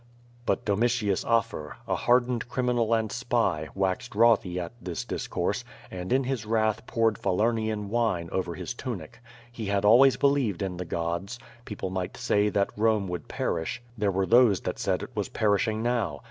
But Domitius Afer, a hardened criminal and spy, waxed wrothy at this discoui*se, and in his wrath poured Falernian wine over his tunic. He had always believed in the gods. People might say that Bome would perish; there were those that said it was perishing now.